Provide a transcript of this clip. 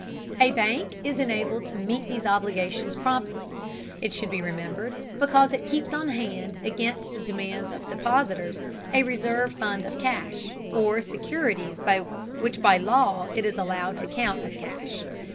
A bank is enabled to meet these obligations promptly, it should be remembered, because it keeps on hand, against the demands of depositors, a reserve fund of cash, or securities which by law it is allowed to count as cash.